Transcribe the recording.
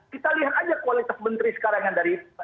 kita lihat aja kualitas menteri sekarang yang dari